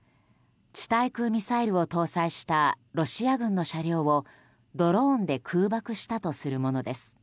地対空ミサイルを搭載したロシア軍の車両をドローンで空爆したとされるものです。